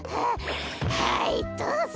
はいどうぞ！